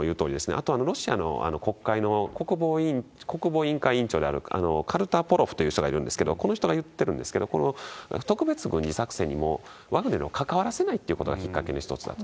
あと、ロシアの国会の国防委員会委員長であるカルタポロフという人がいるんですけど、この人が言ってるんですけど、この特別軍事作戦にワグネルを関わらせないということがきっかけの一つだと。